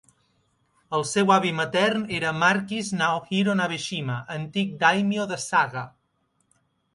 El seu avi matern era Marquis Naohiro Nabeshima, antic dàimio de Saga.